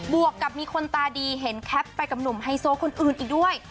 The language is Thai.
วกกับมีคนตาดีเห็นแคปไปกับหนุ่มไฮโซคนอื่นอีกด้วย